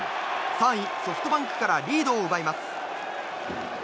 ３位、ソフトバンクからリードを奪います。